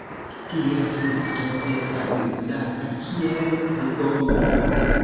Tie la frukto estas uzata kiel legomo.